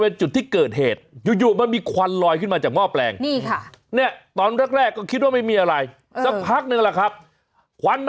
ในวันนั้นครับ